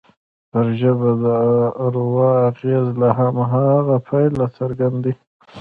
پر ژبه د اروا اغېز له هماغه پیله څرګند دی